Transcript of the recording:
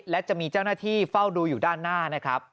และจะมีเจ้าหน้าที่เฝ้าดูอยู่ด้านหน้านะครับ